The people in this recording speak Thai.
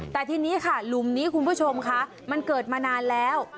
แต่ทีนี้ค่ะหลุมนี้คุณผู้ชมคะมันเกิดมานานแล้ว